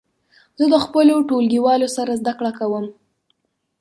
زه د خپلو ټولګیوالو سره زده کړه کوم.